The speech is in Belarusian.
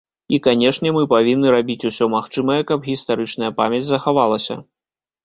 І канешне, мы павінны рабіць усё магчымае, каб гістарычная памяць захавалася.